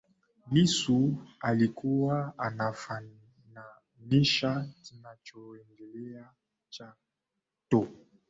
Lissu alikuwa anafananisha kinachoendelea Chato